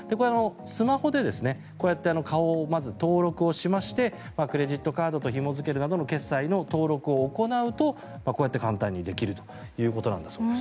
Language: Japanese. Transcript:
スマホでこうやって顔をまず登録をしましてクレジットカードとひも付けるなどの決済の登録を行うとこうやって簡単にできるということなんだそうです。